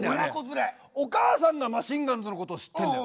お母さんがマシンガンズのことを知ってんのよ。